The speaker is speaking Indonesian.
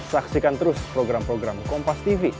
saksikan terus program program kompastv